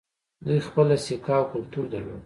دوی خپله سکه او کلتور درلود